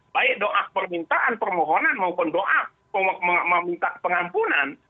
baik doa permintaan permohonan maupun doa meminta pengampunan